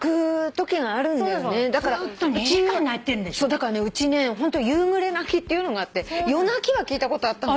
だからうちね夕暮れ泣きっていうのがあって夜泣きは聞いたことあったけど。